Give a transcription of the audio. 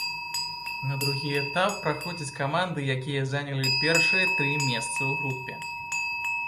На другі этап праходзяць каманды, якія занялі першыя тры месцы ў групе.